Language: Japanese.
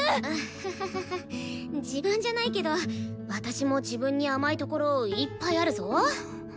ハハハハ自慢じゃないけど私も自分に甘いところいっぱいあるぞ。